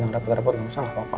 nggak usah nggak apa apa